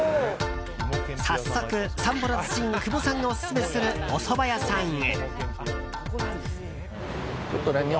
早速、散歩の達人久保さんがオススメするおそば屋さんへ。